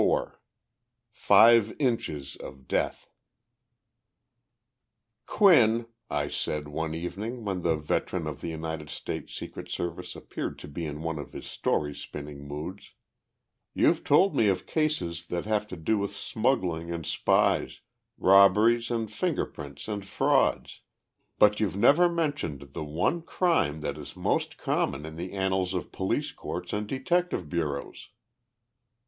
XXIV FIVE INCHES OF DEATH "Quinn," I said one evening when the veteran of the United States Secret Service appeared to be in one of his story spinning moods, "you've told me of cases that have to do with smuggling and spies, robberies and fingerprints and frauds, but you've never mentioned the one crime that is most common in the annals of police courts and detective bureaus."